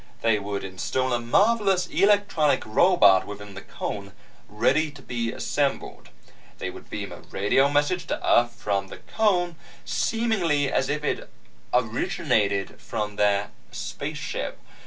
They would install a marvelous electronic robot within the cone, ready to be assembled. They would beam a radio message to earth from the cone, seemingly as if it originated from their 'spaceship.'